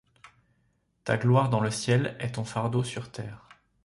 Ta gloire dans le ciel est ton fardeau sur terre.